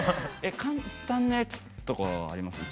簡単なやつとかありますか。